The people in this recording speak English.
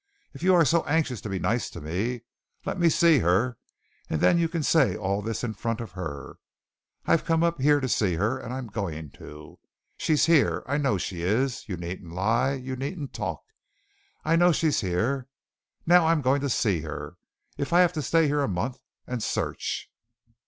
If you are so anxious to be nice to me, let me see her, and then you can say all this in front of her. I've come up here to see her, and I'm going to. She's here. I know she is. You needn't lie. You needn't talk. I know she's here. Now I'm going to see her, if I have to stay here a month and search."